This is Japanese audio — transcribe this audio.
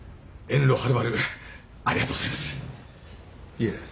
いえ。